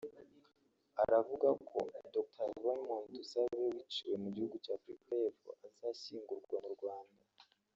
aravuga ko Dr Raymond Dusabe wiciwe mu gihugu cy’Afrika y’Epfo azashyingurwa mu Rwanda